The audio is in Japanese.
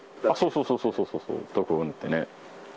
そうそうそうそうそう、毒を塗ってね。